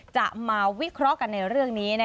จะมาวิเคราะห์กันในเรื่องนี้